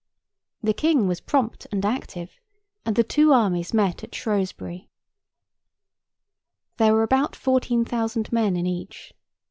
The King was prompt and active, and the two armies met at Shrewsbury. There were about fourteen thousand men in each.